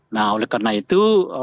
nah oleh karena itu